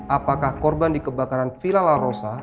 apakah korban di kebakaran villa la rosa